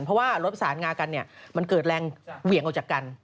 เพราะว่ารถประสานงากันเนี่ยมันเกิดแรงเหวี่ยงออกจากกัน